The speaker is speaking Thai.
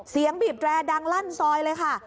เสียงบีบแดร์ดังลั่นซอยเลยค่ะ